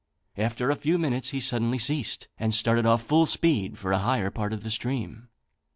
After a few minutes he suddenly ceased, and started off full speed for a higher part of the stream.